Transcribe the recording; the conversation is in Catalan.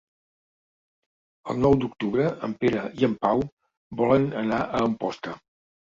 El nou d'octubre en Pere i en Pau volen anar a Amposta.